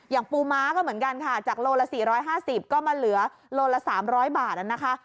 ปูม้าก็เหมือนกันค่ะจากโลละ๔๕๐ก็มาเหลือโลละ๓๐๐บาทนะคะ